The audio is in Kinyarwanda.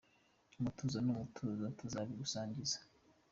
Umutuzo ni umutozo tuzabigusanganiza.